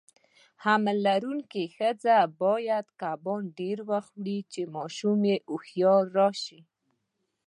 حمل لرونکي خزه باید کبان ډیر وخوري، چی ماشوم یی هوښیار راشي.